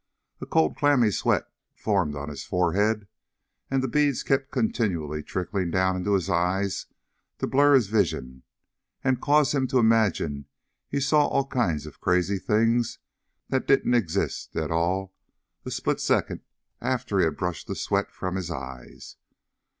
A cold clammy sweat formed on his forehead, and the beads kept continually trickling down into his eyes to blur his vision, and caused him to imagine he saw all kinds of crazy things that didn't exist at all a split second after he had brushed the sweat from his eyes.